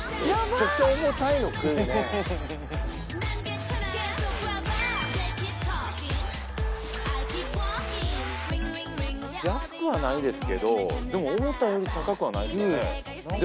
めちゃくちゃ重たいの食うね安くはないですけどでも思ったより高くはないですねで